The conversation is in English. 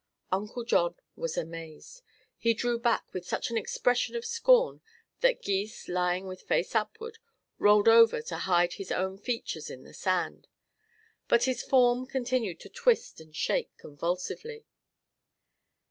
Uncle John was amazed. He drew back with such an expression of scorn that Gys, lying with face upward, rolled over to hide his own features in the sand. But his form continued to twist and shake convulsively.